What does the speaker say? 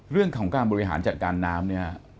เรื่องของการบริหารจัดการน้ำเนี่ย